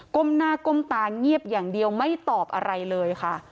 ้มหน้าก้มตาเงียบอย่างเดียวไม่ตอบอะไรเลยค่ะ